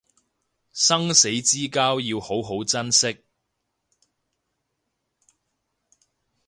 生死之交要好好珍惜